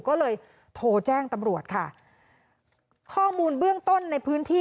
ก็เลยโทรแจ้งตำรวจค่ะข้อมูลเบื้องต้นในพื้นที่